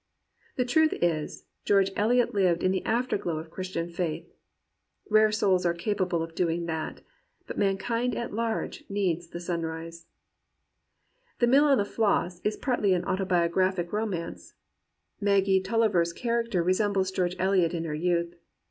The truth is, George Eliot lived in the afterglow of Christian faith. Rare souls are capable of doing that. But mankind at large needs the sunrise. The Mill on the Floss is partly an autobiographic 158 GEORGE ELIOT AND REAL WOMEN romance. Maggie TuUiver's character resembles George Eliot in her youth.